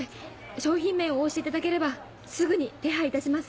商品名をお教えいただければすぐに手配いたします。